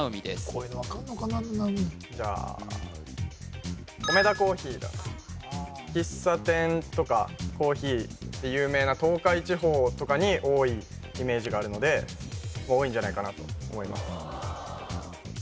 こういうの分かんのかな七海じゃあコメダ珈琲でお願いします喫茶店とかコーヒーで有名な東海地方とかに多いイメージがあるので多いんじゃないかなと思います